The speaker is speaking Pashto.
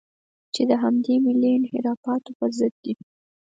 چې د همدې ملي انحرافاتو په ضد دي.